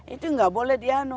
itu tidak boleh di